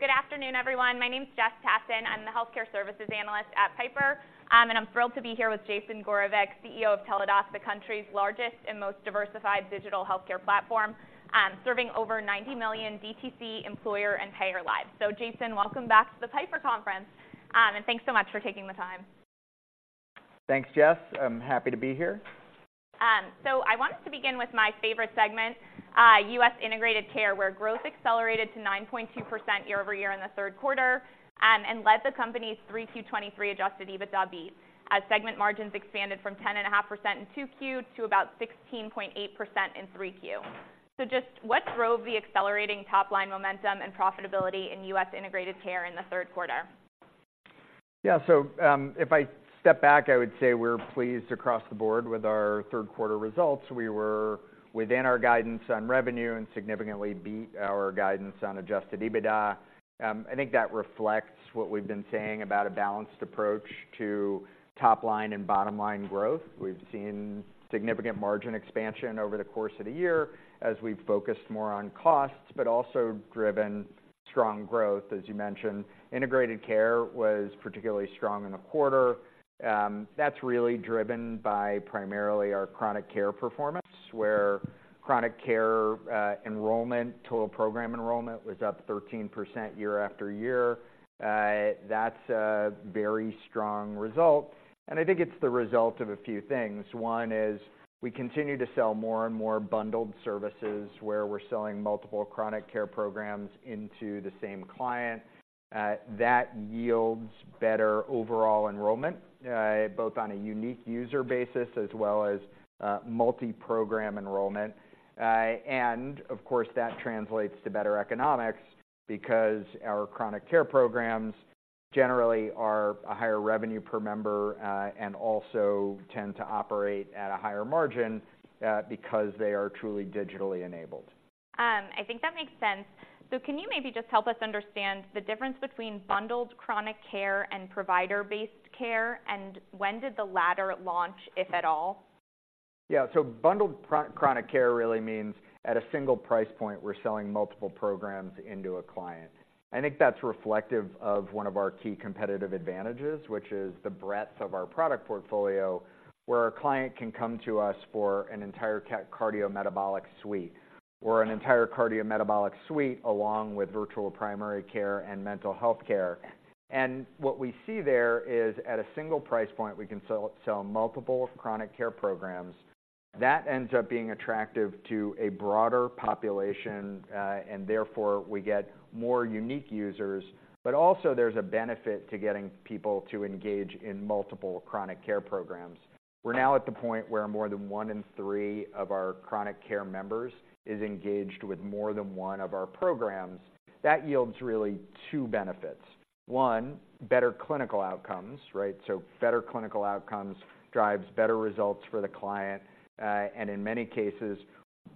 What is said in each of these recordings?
So good afternoon, everyone. My name is Jess Tassan. I'm the healthcare services analyst at Piper, and I'm thrilled to be here with Jason Gorevic, CEO of Teladoc, the country's largest and most diversified digital healthcare platform, serving over 90 million DTC employer and payer lives. So Jason, welcome back to the Piper Conference, and thanks so much for taking the time. Thanks, Jess. I'm happy to be here. So I wanted to begin with my favorite segment, U.S. Integrated Care, where growth accelerated to 9.2% year-over-year in the third quarter, and led the company's 3Q 2023 Adjusted EBITDA beat, as segment margins expanded from 10.5% in 2Q to about 16.8% in 3Q. So just what drove the accelerating top-line momentum and profitability in U.S. Integrated Care in the third quarter? Yeah. So, if I step back, I would say we're pleased across the board with our third quarter results. We were within our guidance on revenue and significantly beat our guidance on Adjusted EBITDA. I think that reflects what we've been saying about a balanced approach to top-line and bottom-line growth. We've seen significant margin expansion over the course of the year as we've focused more on costs, but also driven strong growth. As you mentioned, Integrated Care was particularly strong in the quarter. That's really driven by primarily our Chronic Care performance, where Chronic Care enrollment, total program enrollment was up 13% year-over-year. That's a very strong result, and I think it's the result of a few things. One is we continue to sell more and more bundled services, where we're selling multiple Chronic Care programs into the same client. That yields better overall enrollment, both on a unique user basis as well as multi-program enrollment. And of course, that translates to better economics because our chronic care programs generally are a higher revenue per member, and also tend to operate at a higher margin, because they are truly digitally enabled. I think that makes sense. So can you maybe just help us understand the difference between bundled chronic care and Provider-Based Care, and when did the latter launch, if at all? Yeah. So bundled Chronic Care really means at a single price point, we're selling multiple programs into a client. I think that's reflective of one of our key competitive advantages, which is the breadth of our product portfolio, where a client can come to us for an entire cardiometabolic suite, or an entire cardiometabolic suite, along with Virtual Primary Care and mental health care. And what we see there is, at a single price point, we can sell multiple chronic care programs. That ends up being attractive to a broader population, and therefore, we get more unique users. But also, there's a benefit to getting people to engage in multiple chronic care programs. We're now at the point where more than one in three of our chronic care members is engaged with more than one of our programs. That yields really two benefits. One, better clinical outcomes, right? So better clinical outcomes drives better results for the client, and in many cases,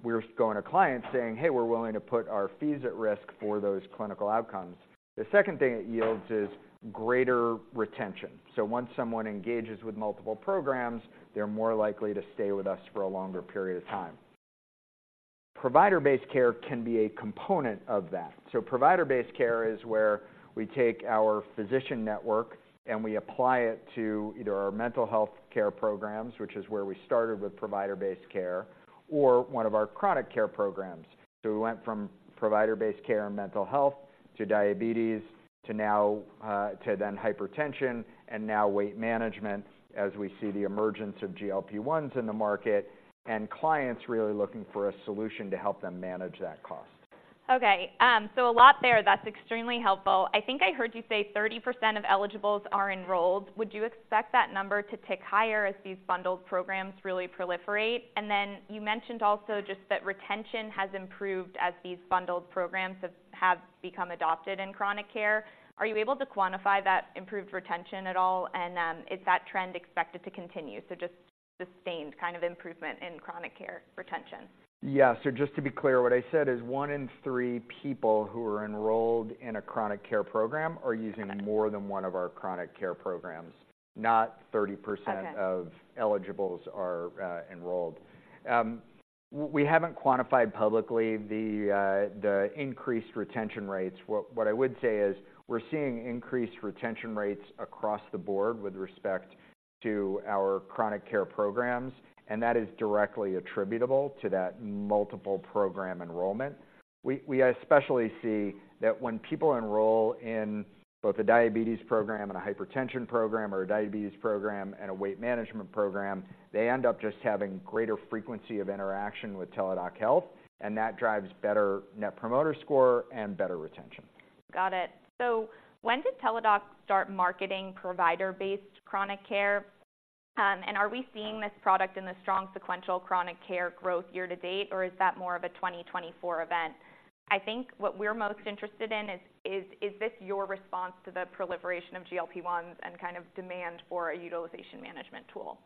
we're going to clients saying, "Hey, we're willing to put our fees at risk for those clinical outcomes." The second thing it yields is greater retention. So once someone engages with multiple programs, they're more likely to stay with us for a longer period of time. Provider-Based Care can be a component of that. So Provider-Based Care is where we take our physician network, and we apply it to either our mental health care programs, which is where we started with Provider-Based Care, or one of our chronic care programs. So we went from Provider-Based Care and mental health to diabetes, to then hypertension, and now Weight Management, as we see the emergence of GLP-1s in the market, and clients really looking for a solution to help them manage that cost. Okay, so a lot there. That's extremely helpful. I think I heard you say 30% of eligibles are enrolled. Would you expect that number to tick higher as these bundled programs really proliferate? And then you mentioned also just that retention has improved as these bundled programs have become adopted in chronic care. Are you able to quantify that improved retention at all? And, is that trend expected to continue, so just sustained kind of improvement in chronic care retention? Yeah. So just to be clear, what I said is one in three people who are enrolled in a chronic care program are using more than one of our chronic care programs, not 30% of eligibles are enrolled. We haven't quantified publicly the increased retention rates. What I would say is: we're seeing increased retention rates across the board with respect to our chronic care programs, and that is directly attributable to that multiple program enrollment. We especially see that when people enroll in both a diabetes program and a hypertension program, or a diabetes program and a Weight Management program, they end up just having greater frequency of interaction with Teladoc Health, and that drives better Net Promoter Score and better retention. Got it. So when did Teladoc start marketing provider-based chronic care? And are we seeing this product in the strong sequential chronic care growth year-to-date, or is that more of a 2024 event? I think what we're most interested in is this your response to the proliferation of GLP-1s and kind of demand for a utilization management tool?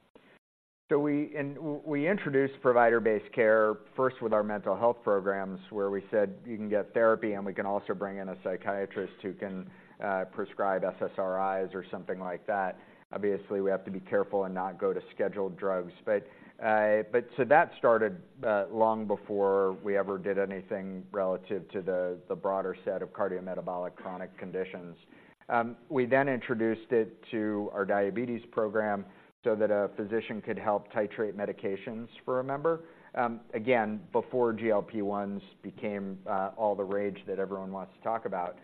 So we and we introduced Provider-Based Care first with our mental health programs, where we said, "You can get therapy, and we can also bring in a psychiatrist who can prescribe SSRIs or something like that." Obviously, we have to be careful and not go to scheduled drugs. But so that started long before we ever did anything relative to the broader set of cardiometabolic chronic conditions. We then introduced it to our diabetes program so that a physician could help titrate medications for a member, again, before GLP-1s became all the rage that everyone wants to talk about.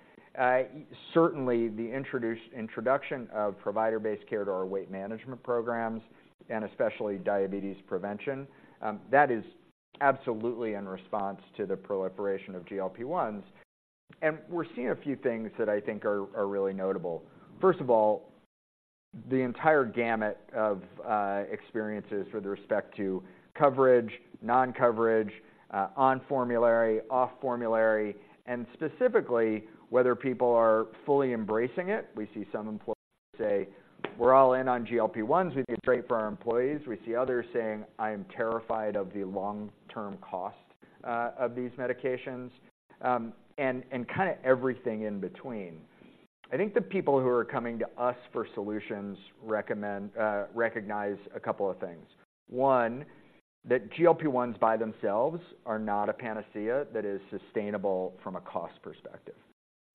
Certainly, the introduction of Provider-Based Care to our weight management programs, and especially Diabetes Prevention, that is absolutely in response to the proliferation of GLP-1s. And we're seeing a few things that I think are really notable. First of all, the entire gamut of experiences with respect to coverage, non-coverage, on formulary, off formulary, and specifically, whether people are fully embracing it. We see some employers say, "We're all in on GLP-1s. We need to treat for our employees." We see others saying, "I am terrified of the long-term cost of these medications," and kinda everything in between. I think the people who are coming to us for solutions recognize a couple of things. One, that GLP-1s by themselves are not a panacea that is sustainable from a cost perspective,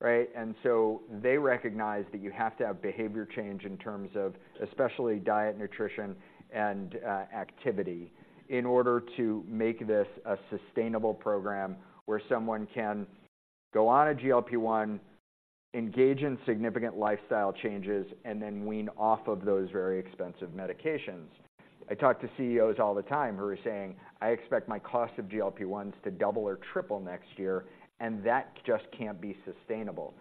right? And so they recognize that you have to have behavior change in terms of especially diet, nutrition, and activity in order to make this a sustainable program, where someone can go on a GLP-1, engage in significant lifestyle changes, and then wean off of those very expensive medications. I talk to CEOs all the time who are saying, "I expect my cost of GLP-1s to double or triple next year, and that just can't be sustainable."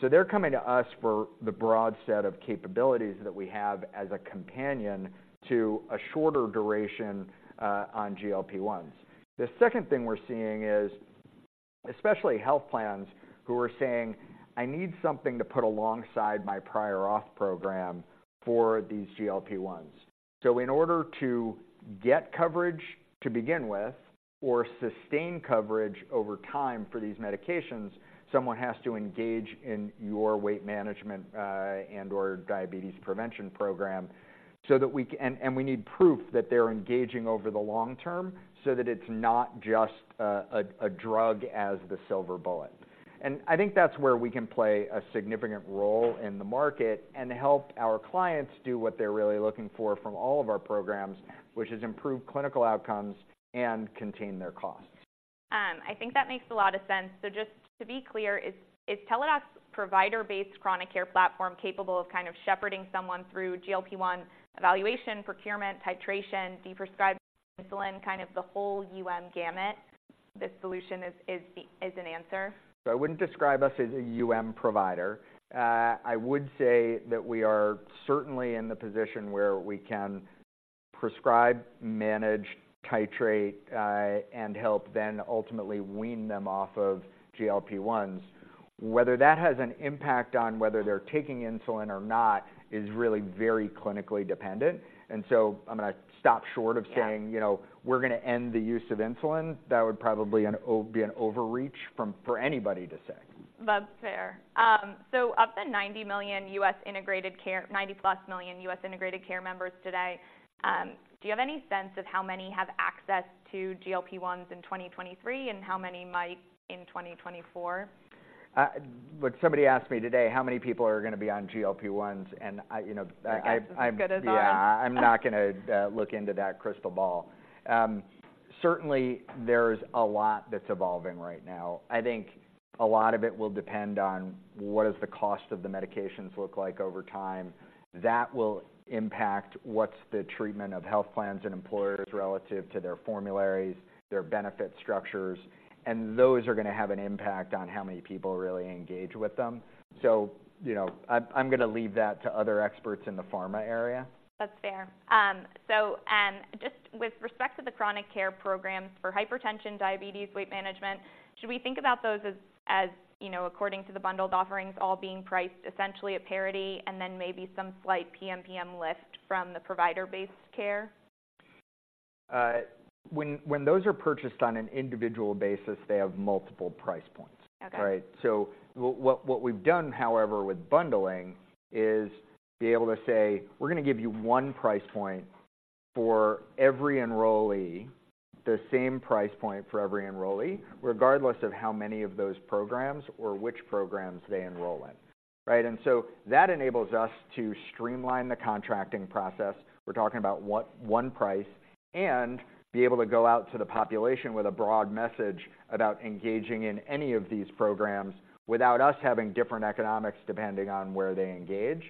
So they're coming to us for the broad set of capabilities that we have as a companion to a shorter duration on GLP-1s. The second thing we're seeing is, especially health plans, who are saying, "I need something to put alongside my prior auth program for these GLP-1s." So in order to get coverage to begin with or sustain coverage over time for these medications, someone has to engage in your Weight Management and/or Diabetes Prevention program. And we need proof that they're engaging over the long-term, so that it's not just a drug as the silver bullet. I think that's where we can play a significant role in the market and help our clients do what they're really looking for from all of our programs, which is improve clinical outcomes and contain their costs. I think that makes a lot of sense. So just to be clear, is Teladoc's provider-based chronic care platform capable of kind of shepherding someone through GLP-1 evaluation, procurement, titration, de-prescribing insulin, kind of the whole UM gamut? This solution is an answer. So I wouldn't describe us as a UM provider. I would say that we are certainly in the position where we can prescribe, manage, titrate, and help then ultimately wean them off of GLP-1s. Whether that has an impact on whether they're taking insulin or not is really very clinically dependent, and so I'm going to stop short of saying, you know, we're going to end the use of insulin. That would probably be an overreach for anybody to say. That's fair. So of the 90+ million U.S. Integrated Care members today, do you have any sense of how many have access to GLP-1s in 2023, and how many might in 2024? Well, somebody asked me today how many people are going to be on GLP-1s? Yeah. I'm not going to look into that crystal ball. Certainly, there's a lot that's evolving right now. I think a lot of it will depend on what does the cost of the medications look like over time. That will impact what's the treatment of health plans and employers relative to their formularies, their benefit structures, and those are going to have an impact on how many people really engage with them. So, you know, I'm going to leave that to other experts in the pharma area. That's fair. So, just with respect to the chronic care programs for hypertension, diabetes, Weight Management, should we think about those as, you know, according to the bundled offerings, all being priced essentially at parity, and then maybe some slight PMPM lift from the Provider-Based Care? When those are purchased on an individual basis, they have multiple price points. Right? So what we've done, however, with bundling, is be able to say: We're going to give you one price point for every enrollee, the same price point for every enrollee, regardless of how many of those programs or which programs they enroll in, right? And so that enables us to streamline the contracting process, we're talking about one price, and be able to go out to the population with a broad message about engaging in any of these programs without us having different economics, depending on where they engage.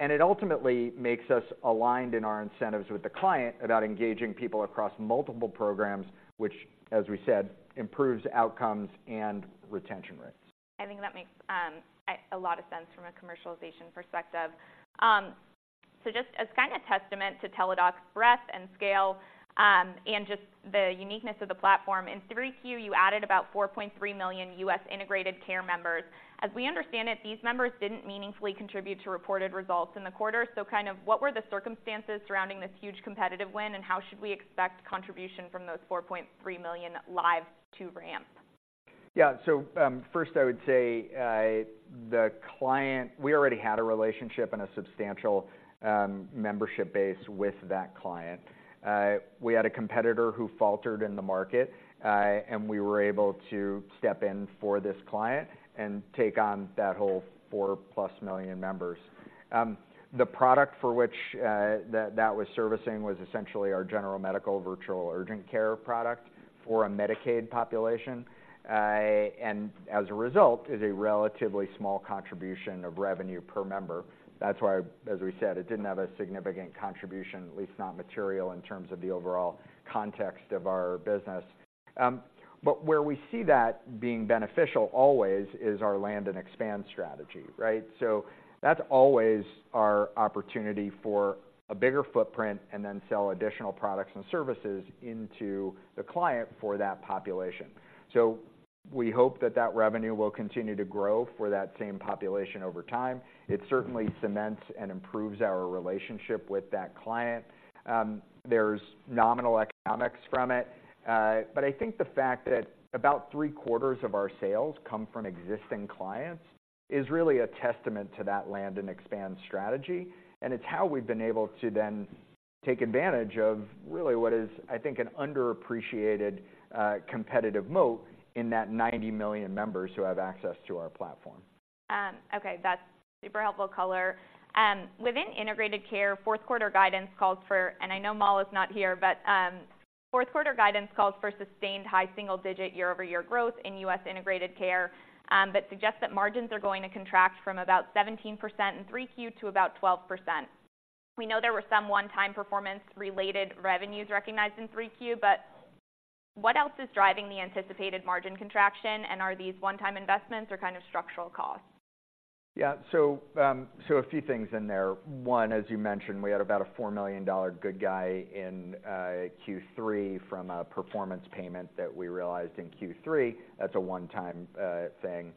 And it ultimately makes us aligned in our incentives with the client about engaging people across multiple programs, which, as we said, improves outcomes and retention rates. I think that makes a lot of sense from a commercialization perspective. So just as kind of testament to Teladoc's breadth and scale, and just the uniqueness of the platform, in 3Q, you added about 4.3 million U.S. Integrated Care members. As we understand it, these members didn't meaningfully contribute to reported results in the quarter. So kind of what were the circumstances surrounding this huge competitive win, and how should we expect contribution from those 4.3 million lives to ramp? Yeah. So, first I would say, we already had a relationship and a substantial membership base with that client. We had a competitor who faltered in the market, and we were able to step in for this client and take on that whole 4+ million members. The product for which that was servicing was essentially our General Medical virtual urgent care product for a Medicaid population. And as a result, is a relatively small contribution of revenue per member. That's why, as we said, it didn't have a significant contribution, at least not material, in terms of the overall context of our business. But where we see that being beneficial always is our land and expand strategy, right? So that's always our opportunity for a bigger footprint and then sell additional products and services into the client for that population. So we hope that, that revenue will continue to grow for that same population over time. It certainly cements and improves our relationship with that client. There's nominal economics from it, but I think the fact that about 3/4 of our sales come from existing clients is really a testament to that land and expand strategy, and it's how we've been able to then take advantage of really what is, I think, an underappreciated, competitive moat in that 90 million members who have access to our platform. Okay, that's super helpful color. Within Integrated Care, fourth quarter guidance calls for, I know Mala is not here, but fourth quarter guidance calls for sustained high single-digit year-over-year growth in U.S. Integrated Care, but suggests that margins are going to contract from about 17% in 3Q to about 12%. We know there were some one-time performance related revenues recognized in 3Q, but what else is driving the anticipated margin contraction, and are these one-time investments or kind of structural costs? Yeah. So, a few things in there. One, as you mentioned, we had about a $4 million gain in Q3 from a performance payment that we realized in Q3. That's a one-time thing.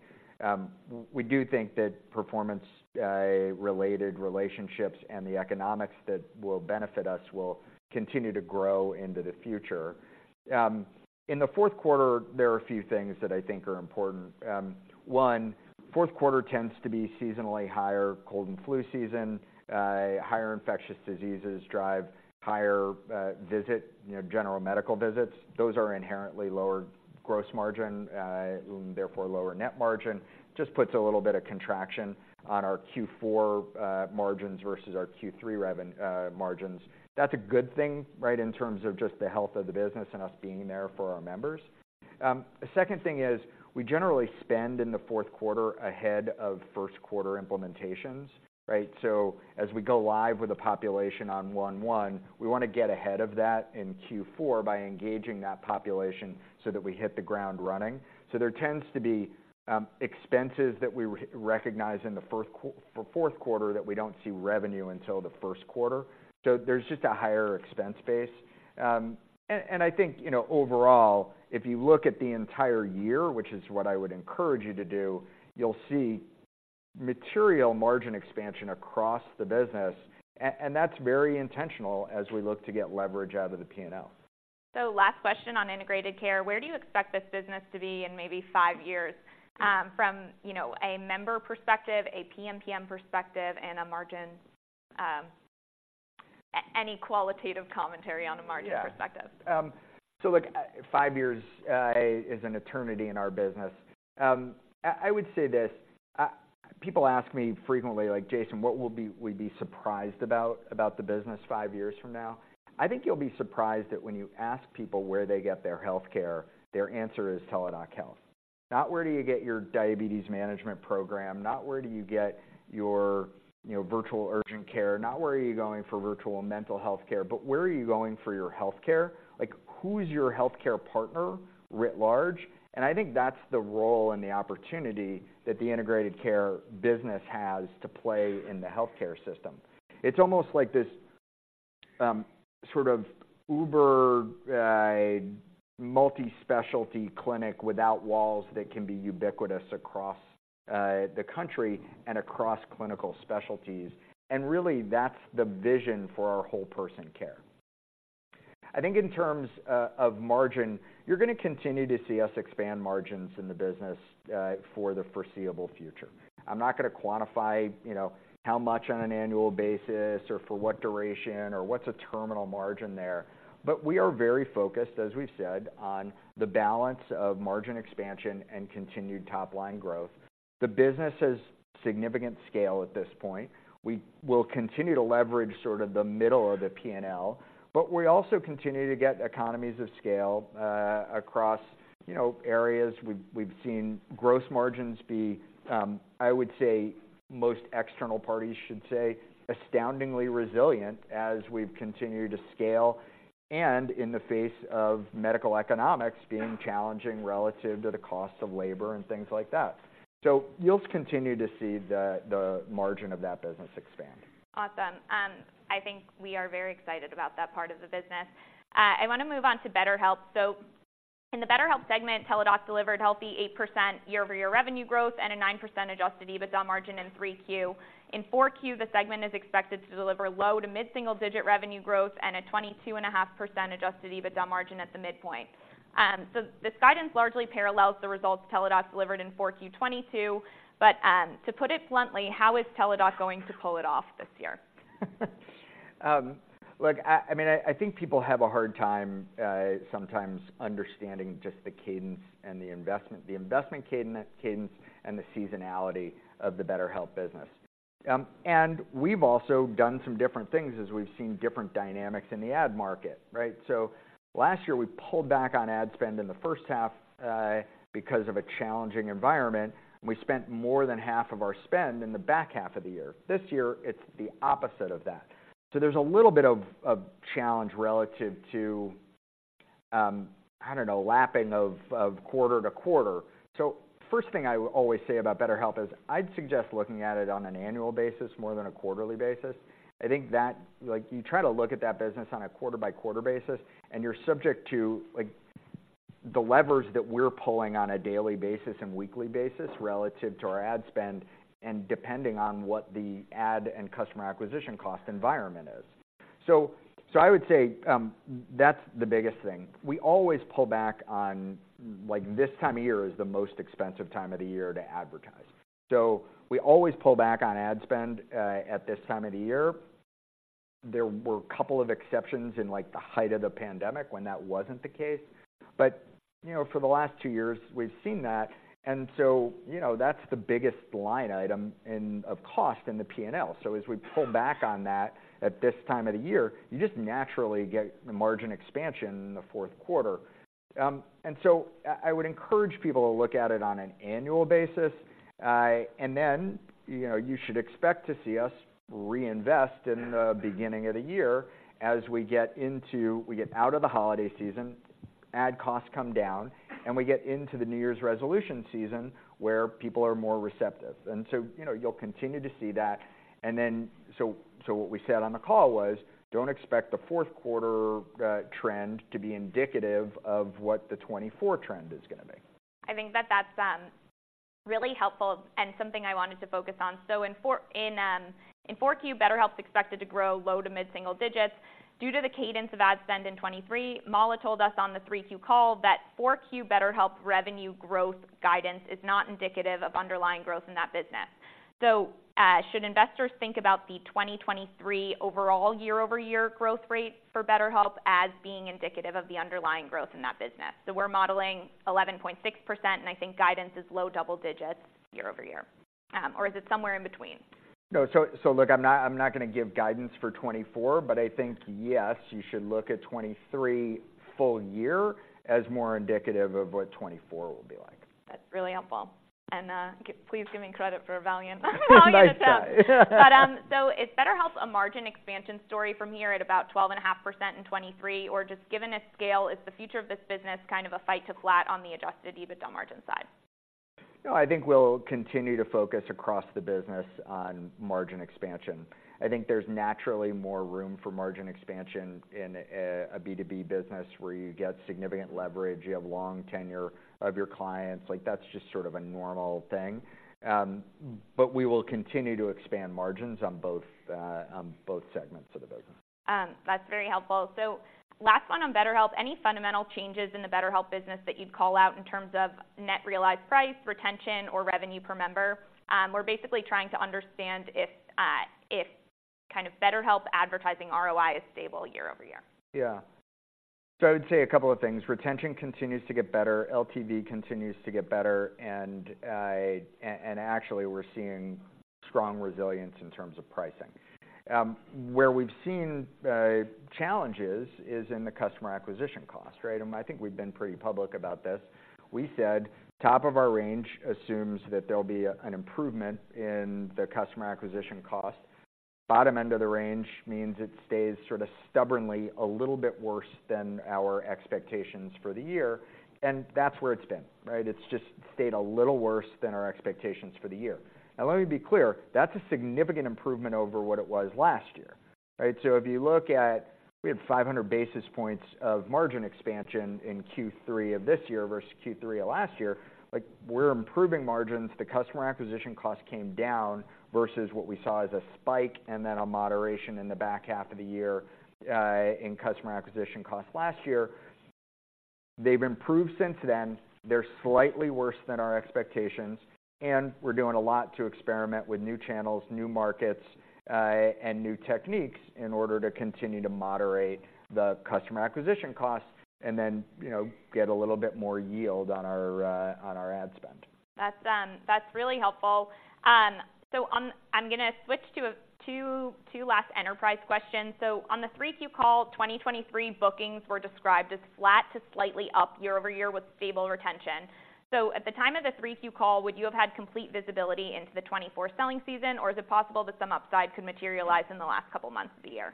We do think that performance related relationships and the economics that will benefit us will continue to grow into the future. In the fourth quarter, there are a few things that I think are important. One, fourth quarter tends to be seasonally higher, cold and flu season, higher infectious diseases drive higher visits, you know, General Medical visits. Those are inherently lower gross margin, therefore, lower net margin. Just puts a little bit of contraction on our Q4 margins versus our Q3 margins. That's a good thing, right? In terms of just the health of the business and us being there for our members. The second thing is, we generally spend in the fourth quarter ahead of first quarter implementations, right? So as we go live with a population on 1/1, we want to get ahead of that in Q4 by engaging that population so that we hit the ground running. So there tends to be expenses that we recognize in the fourth quarter, that we don't see revenue until the first quarter. So there's just a higher expense base. And I think, you know, overall, if you look at the entire year, which is what I would encourage you to do, you'll see material margin expansion across the business, and that's very intentional as we look to get leverage out of the P&L. So last question on Integrated Care. Where do you expect this business to be in maybe five years, from, you know, a member perspective, a PMPM perspective, and a margin, any qualitative commentary on a margin perspective? Yeah. So look, five years is an eternity in our business. I would say this, people ask me frequently, like, "Jason, what will we be surprised about the business five years from now?" I think you'll be surprised that when you ask people where they get their healthcare, their answer is Teladoc Health. Not where do you get your diabetes management program, not where do you get your, you know, virtual urgent care, not where are you going for virtual mental health care, but where are you going for your healthcare? Like, who's your healthcare partner, writ large? And I think that's the role and the opportunity that the integrated care business has to play in the healthcare system. It's almost like this sort of Uber multi-specialty clinic without walls that can be ubiquitous across the country and across clinical specialties. And really, that's the vision for our Whole Person Care. I think in terms of margin, you're going to continue to see us expand margins in the business for the foreseeable future. I'm not going to quantify, you know, how much on an annual basis or for what duration or what's a terminal margin there, but we are very focused, as we've said, on the balance of margin expansion and continued top line growth. The business has significant scale at this point. We will continue to leverage sort of the middle of the P&L, but we also continue to get economies of scale across, you know, areas. We've seen gross margins be, I would say, most external parties should say, astoundingly resilient as we've continued to scale, and in the face of medical economics being challenging relative to the cost of labor and things like that. So you'll continue to see the margin of that business expand. Awesome. I think we are very excited about that part of the business. I want to move on to BetterHelp. In the BetterHelp segment, Teladoc delivered healthy 8% year-over-year revenue growth and a 9% Adjusted EBITDA margin in 3Q. In 4Q, the segment is expected to deliver low to mid-single digit revenue growth and a 22.5% Adjusted EBITDA margin at the midpoint. So this guidance largely parallels the results Teladoc delivered in 4Q 2022, but, to put it bluntly, how is Teladoc going to pull it off this year? Look, I mean, I think people have a hard time sometimes understanding just the cadence and the investment, the investment cadence, cadence, and the seasonality of the BetterHelp business. And we've also done some different things as we've seen different dynamics in the ad market, right? So last year, we pulled back on ad spend in the first half because of a challenging environment. We spent more than half of our spend in the back half of the year. This year, it's the opposite of that. So there's a little bit of challenge relative to, I don't know, lapping of quarter to quarter. So first thing I would always say about BetterHelp is, I'd suggest looking at it on an annual basis more than a quarterly basis. I think that, like, you try to look at that business on a quarter by quarter basis, and you're subject to, like, the levers that we're pulling on a daily basis and weekly basis relative to our ad spend, and depending on what the ad and customer acquisition cost environment is. So I would say that's the biggest thing. We always pull back on, like, this time of the year is the most expensive time of the year to advertise, so we always pull back on ad spend at this time of the year. There were a couple of exceptions in, like, the height of the pandemic, when that wasn't the case. But you know, for the last two years, we've seen that, and so you know, that's the biggest line item of cost in the P&L. So as we pull back on that at this time of the year, you just naturally get the margin expansion in the fourth quarter. And so I, I would encourage people to look at it on an annual basis. And then, you know, you should expect to see us reinvest in the beginning of the year as we get into- we get out of the holiday season, ad costs come down, and we get into the New Year's resolution season, where people are more receptive. And so, you know, you'll continue to see that. And then, so, so what we said on the call was, "Don't expect the fourth quarter trend to be indicative of what the 2024 trend is going to be. I think that that's really helpful and something I wanted to focus on. So in 4Q, BetterHelp is expected to grow low- to mid-single digits due to the cadence of ad spend in 2023. Mala told us on the 3Q call that 4Q BetterHelp revenue growth guidance is not indicative of underlying growth in that business. So, should investors think about the 2023 overall year-over-year growth rate for BetterHelp as being indicative of the underlying growth in that business? So we're modeling 11.6%, and I think guidance is low double digits year-over-year or is it somewhere in between? No. So, look, I'm not going to give guidance for 2024, but I think, yes, you should look at 2023 full year as more indicative of what 2024 will be like. That's really helpful. And, please give me credit for a valiant attempt. But, so is BetterHelp a margin expansion story from here at about 12.5% in 2023? Or just given its scale, is the future of this business kind of a fight to flat on the Adjusted EBITDA margin side? No, I think we'll continue to focus across the business on margin expansion. I think there's naturally more room for margin expansion in a B2B business, where you get significant leverage, you have long tenure of your clients. Like, that's just sort of a normal thing. But we will continue to expand margins on both segments of the business. That's very helpful. Last one on BetterHelp, any fundamental changes in the BetterHelp business that you'd call out in terms of net realized price, retention, or revenue per member? We're basically trying to understand if kind of BetterHelp advertising ROI is stable year-over-year. Yeah. So I would say a couple of things. Retention continues to get better, LTV continues to get better, and actually, we're seeing strong resilience in terms of pricing. Where we've seen challenges is in the customer acquisition cost, right? And I think we've been pretty public about this. We said, top of our range assumes that there'll be an improvement in the customer acquisition cost. Bottom end of the range means it stays sort of stubbornly a little bit worse than our expectations for the year, and that's where it's been, right? It's just stayed a little worse than our expectations for the year. Now, let me be clear: That's a significant improvement over what it was last year, right? So if you look at, we had 500 basis points of margin expansion in Q3 of this year versus Q3 of last year. Like, we're improving margins. The customer acquisition cost came down versus what we saw as a spike and then a moderation in the back half of the year, in customer acquisition costs last year. They've improved since then. They're slightly worse than our expectations, and we're doing a lot to experiment with new channels, new markets, and new techniques in order to continue to moderate the customer acquisition costs, and then, you know, get a little bit more yield on our, on our ad spend. That's really helpful. So I'm going to switch to two last enterprise questions. So on the 3Q call, 2023 bookings were described as flat to slightly up year-over-year with stable retention. So at the time of the 3Q call, would you have had complete visibility into the 2024 selling season, or is it possible that some upside could materialize in the last couple of months of the year?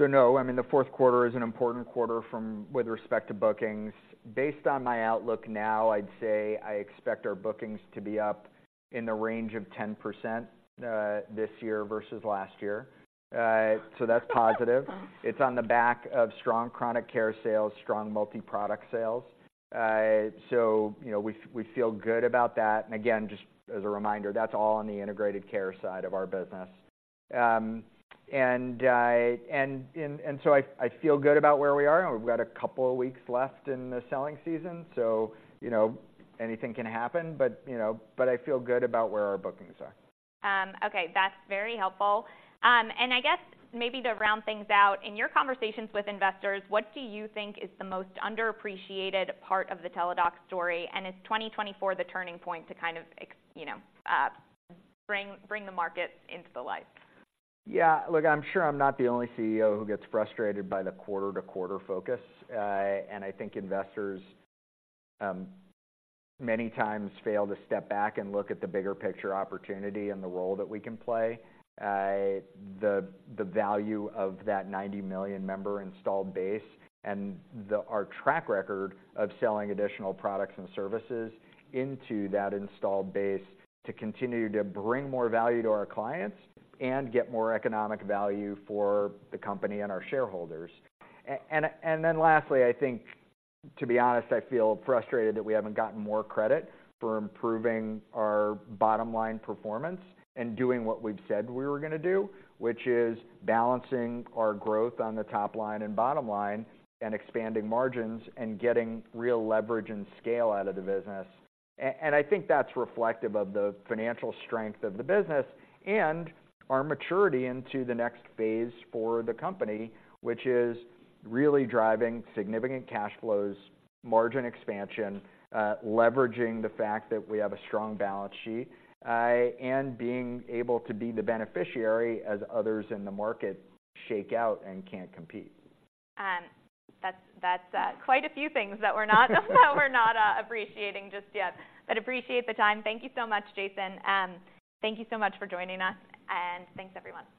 So no, I mean, the fourth quarter is an important quarter from, with respect to bookings. Based on my outlook now, I'd say I expect our bookings to be up in the range of 10% this year versus last year. So that's positive. It's on the back of strong Chronic Care sales, strong multi-product sales. So, you know, we feel good about that. And again, just as a reminder, that's all on the Integrated Care side of our business. And so I feel good about where we are, and we've got a couple of weeks left in the selling season, so, you know, anything can happen. But, you know, but I feel good about where our bookings are. Okay, that's very helpful. I guess maybe to round things out, in your conversations with investors, what do you think is the most underappreciated part of the Teladoc story, and is 2024 the turning point to kind of, you know, bring the market into the light? Yeah, look, I'm sure I'm not the only CEO who gets frustrated by the quarter-to-quarter focus. I think investors, many times fail to step back and look at the bigger picture opportunity and the role that we can play. The value of that 90 million member installed base and our track record of selling additional products and services into that installed base to continue to bring more value to our clients and get more economic value for the company and our shareholders. Then lastly, I think, to be honest, I feel frustrated that we haven't gotten more credit for improving our bottom line performance and doing what we've said we were going to do, which is balancing our growth on the top line and bottom line, and expanding margins, and getting real leverage and scale out of the business. I think that's reflective of the financial strength of the business and our maturity into the next phase for the company, which is really driving significant cash flows, margin expansion, leveraging the fact that we have a strong balance sheet, and being able to be the beneficiary as others in the market shake out and can't compete. That's quite a few things that we're not appreciating just yet. But appreciate the time. Thank you so much, Jason. Thank you so much for joining us, and thanks, everyone.